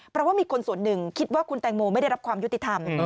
เพราะว่ามีคนส่วนหนึ่งคิดว่าคุณแตงโมไม่ได้รับความยุติธรรม